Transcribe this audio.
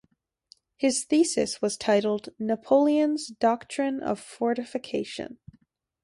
His thesis was titled 'Napoleon's Doctrine of Fortification'.